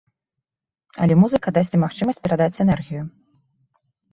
Але музыка дасць ім магчымасць перадаць энергію.